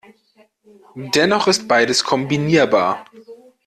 Dennoch ist beides kombinierbar.